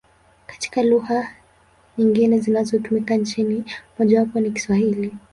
Kati ya lugha nyingine zinazotumika nchini, mojawapo ni Kiswahili.